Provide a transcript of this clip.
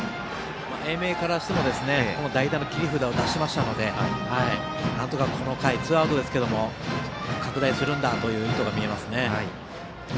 英明からしても代打の切り札を出しましたのでなんとか、この回ツーアウトですけども拡大するんだという意図が見えます。